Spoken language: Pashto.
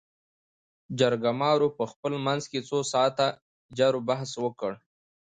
جرګمارو په خپل منځ کې څو ساعاته جړ بحث وکړ.